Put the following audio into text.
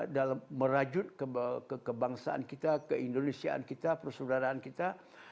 dalam merajut kebangsaan kita keindonesiaan kita persaudaraan kita